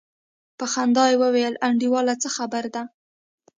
په خندا يې وويل انډيواله څه خبره ده.